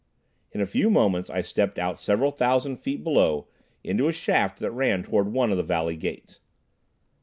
In a few moments I stepped out several thousand feet below, into a shaft that ran toward one of the Valley Gates.